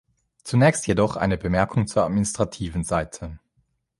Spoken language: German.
Zunächst jedoch eine Bemerkung zur administrativen Seite.